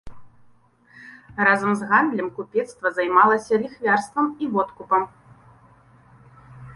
Разам з гандлем купецтва займалася ліхвярствам і водкупам.